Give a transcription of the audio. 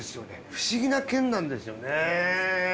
不思議な県なんですよね。